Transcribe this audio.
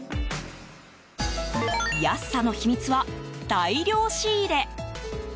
安さの秘密は大量仕入れ。